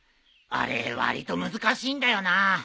あれわりと難しいんだよな。